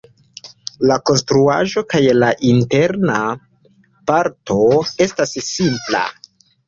La konstruaĵo kaj la interna parto estas simpla.